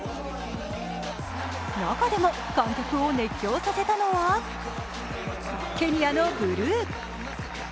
中でも観客を熱狂させたのはケニアのブルー。